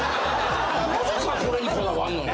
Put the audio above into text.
なぜかこれにこだわんのよ。